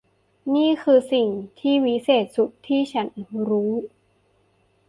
นี่คือสิ่งที่วิเศษสุดที่ฉันรู้